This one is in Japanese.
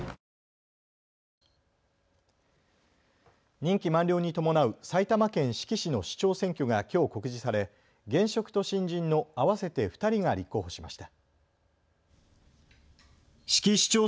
任期満了に伴う埼玉県志木市の市長選挙がきょう告示され現職と新人の合わせて２人が立候補しました。